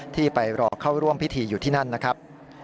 ที่ไปรอเข้าร่วมพิธีอยู่ที่นั่นนะครับ